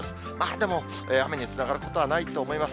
でも、雨につながることはないと思います。